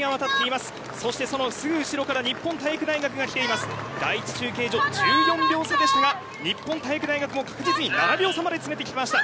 すぐ後ろから日本体育大学がきています、第１中継所１４秒差でしたが日本体育大学も確実に７秒差まで詰めてきました。